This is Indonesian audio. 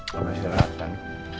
kamu masih rehat kan